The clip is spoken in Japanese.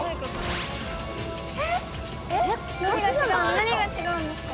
何が違うんですか？